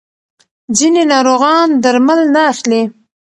ځینې ناروغان درمل نه اخلي.